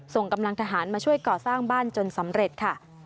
ส่งกำลังทหารมาช่วยก่อสร้างบ้านจนสำเร็จค่ะ